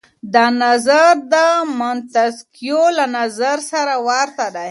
دا نظر د منتسکيو له نظره سره ورته دی.